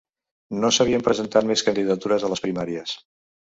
No s’havien presentat més candidatures a les primàries.